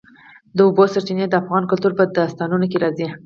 د اوبو سرچینې د افغان کلتور په داستانونو کې راځي.